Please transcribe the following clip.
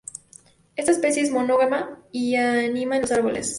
Esta especie es monógama y anida en los árboles.